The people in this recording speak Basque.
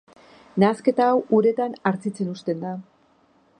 Nahasketa hau uretan hartzitzen uzten da.